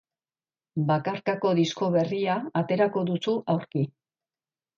Bakarkako disko berria aterako duzu aurki.